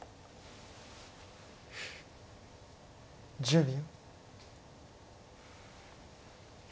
１０秒。